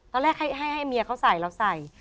ตอนแรกให้เมียเขาใส่เราใส่